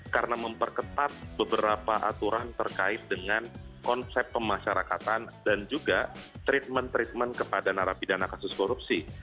karena memperketat beberapa aturan terkait dengan konsep pemasyarakatan dan juga treatment treatment kepada narapi dana kasus korupsi